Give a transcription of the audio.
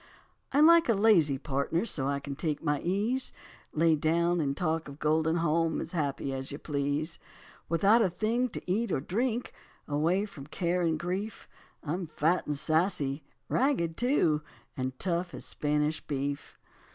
I like a lazy partner So I can take my ease, Lay down and talk of golden home, As happy as you please; Without a thing to eat or drink, Away from care and grief, I'm fat and sassy, ragged, too, And tough as Spanish beef.